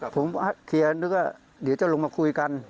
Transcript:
ผมเคลียร์นึกว่าเดี๋ยวจะลงมาคุยกัน